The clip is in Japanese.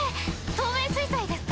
透明水彩ですか？